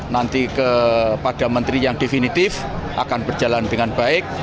nanti kepada menteri yang definitif akan berjalan dengan baik